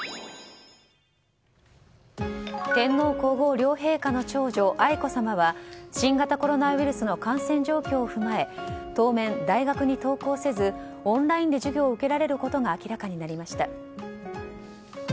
天皇・皇后両陛下の長女・愛子さまは新型コロナウイルスの感染状況を踏まえ当面、大学に登校せずオンラインで授業を受けられることが明らかになりました。